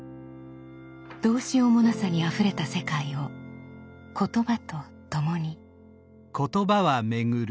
どうしようもなさにあふれた世界を言葉とともに。